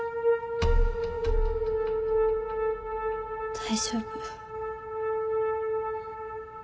大丈夫。